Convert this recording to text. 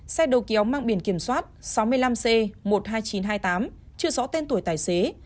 xe đầu kéo mang biển kiểm soát sáu mươi năm c một mươi hai nghìn chín trăm hai mươi tám chưa rõ tên tuổi tài xế